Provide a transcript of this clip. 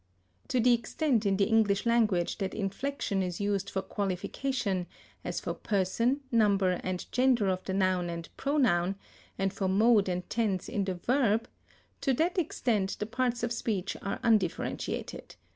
To the extent in the English language that inflection is used for qualification, as for person, number, and gender of the noun and pronoun, and for mode and tense in the verb, to that extent the parts of speech are undifferentiated.